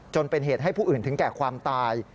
จนเป็นเหตุให้ผู้อื่นถึงแก่ความตาย